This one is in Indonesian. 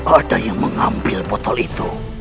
ada yang mengambil botol itu